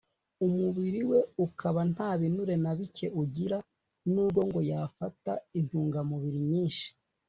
umubiri we ukaba nta binure na bike ugira n’ubwo ngo yafata intungamubiri nyinshi